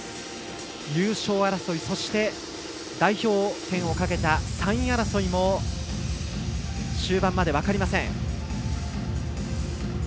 優勝争い、そして代表権をかけた３位争いも終盤まで分かりません。